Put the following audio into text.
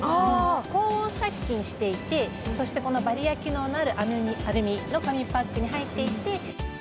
高温殺菌していて、そしてこのバリア機能のあるアルミの紙パックに入っていて。